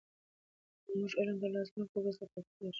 که موږ علم ترلاسه نه کړو وروسته پاتې کېږو.